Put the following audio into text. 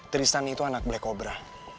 tristan itu anak black cobra